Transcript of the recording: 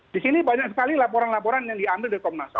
di sini banyak sekali laporan laporan yang diambil dari komnas ham